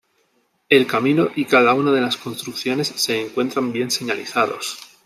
El camino y cada una de las construcciones se encuentran bien señalizados.